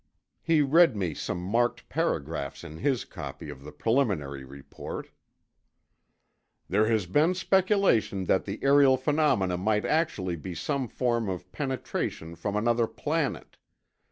He read me some marked paragraphs in his copy of the preliminary report: "'There has been speculation that the aerial phenomena might actually be some form of penetration from another planet